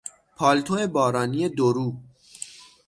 پالتو بارانی دورو